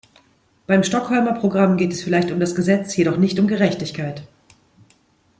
Beim Stockholmer Programm geht es vielleicht um das Gesetz, jedoch nicht um Gerechtigkeit.